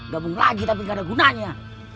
gabung lagi tapi gak ada gunanya